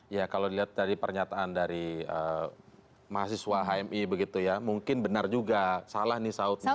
ya kalau dilihat dari pernyataan dari mahasiswa hmi begitu ya mungkin benar juga salah nih saudnya